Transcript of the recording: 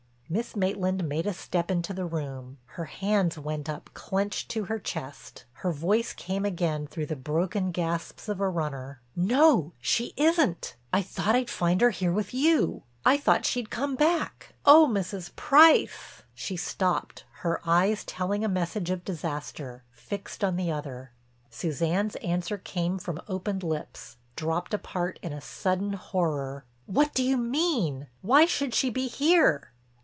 Miss Maitland made a step into the room, her hands went up clenched to her chest, her voice came again through the broken gasps of a runner: "No—she isn't. I thought I'd find her with you—I thought she'd come back. Oh, Mrs. Price—" she stopped, her eyes, telling a message of disaster, fixed on the other. Suzanne's answer came from opened lips, dropped apart in a sudden horror: "What do you mean? Why should she be here?"